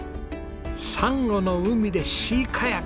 サンゴの海でシーカヤック！